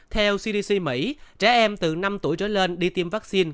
theo cdc mỹ trẻ em từ năm tuổi trở lên đi tiêm vaccine